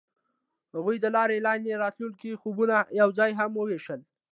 هغوی د لاره لاندې د راتلونکي خوبونه یوځای هم وویشل.